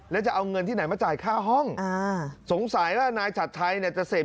แล้วจะเอาเงินที่ไหนมาจ่ายค่าห้องอ่าสงสัยว่านายชัดชัยเนี่ยจะเสพ